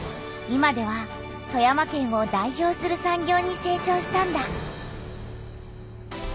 今では富山県を代表する産業にせい長したんだ。